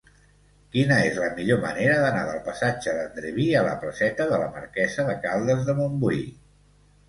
Quina és la millor manera d'anar del passatge d'Andreví a la placeta de la Marquesa de Caldes de Montbui?